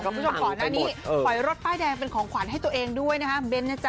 คุณผู้ชมขอหน้านี้เออข่อยรถป้ายแดงเป็นของขวัญให้ตัวเองด้วยนะฮะ